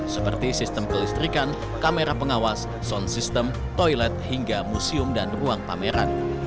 seperti sistem kelistrikan kamera pengawas sound system toilet hingga museum dan ruang pameran